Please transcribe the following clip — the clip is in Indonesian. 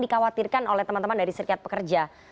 dikhawatirkan oleh teman teman dari serikat pekerja